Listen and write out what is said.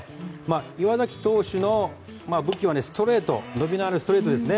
岩崎投手の武器は伸びのあるストレートですね。